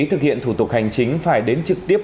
thực hiện thủ tục hành chính phải đến trực tiếp